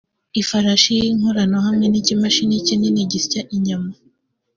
ifarashi y’inkorano hamwe n’ikimashini kinini gisya inyama